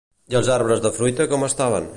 I els arbres de fruita com estaven?